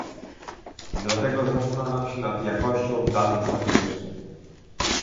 Dlatego zastanawiam się nad jakością danych statystycznych